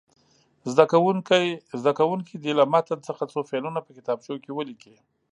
زده کوونکي دې له متن څخه څو فعلونه په کتابچو کې ولیکي.